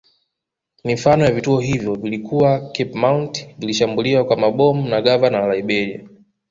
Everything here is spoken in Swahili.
Mifano ya vituo hivyo vilivyokuwa Cape Mount vilishambuliwa kwa mabomu na gavana wa Liberia